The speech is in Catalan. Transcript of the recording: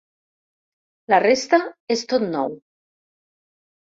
La resta és tot nou.